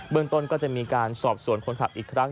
เมืองต้นก็จะมีการสอบส่วนคนขับอีกครั้ง